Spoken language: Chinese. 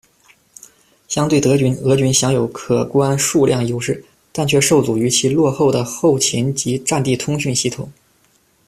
相对德军，俄军享有可观数量优势，但却受阻于其落后的后勤及战地通讯系统。